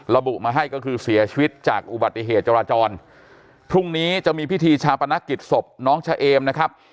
ระบุมาให้ก็คือเสียชีวิตจากอุบัติเหตุจราจรพรุ่งนี้จะมีพิธีชาปนกิจศพน้องชะเอมนะครับ